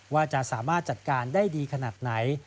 ว่าจะสามารถจัดการได้ดีขนาดไหน